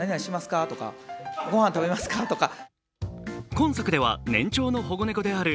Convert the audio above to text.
今作では年長の保護猫である